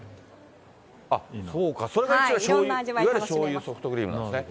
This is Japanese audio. そうか、それがいわゆる、しょうゆソフトクリームなんですね。